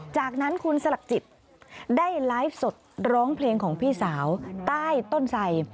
จากนั้นคุณสลักจิตได้ไลฟ์สดร้องเพลงของพี่สาวใต้ต้นไส